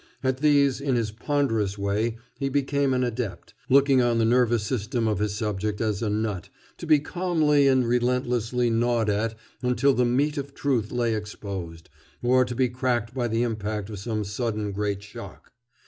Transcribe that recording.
At these, in his ponderous way, he became an adept, looking on the nervous system of his subject as a nut, to be calmly and relentlessly gnawed at until the meat of truth lay exposed, or to be cracked by the impact of some sudden great shock.